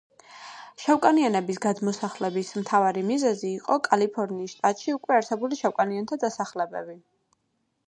შავკანიანების გადმოსახლების მთავარი მიზეზი იყო კალიფორნიის შტატში უკვე არსებული შავკანიანთა დასახლებები.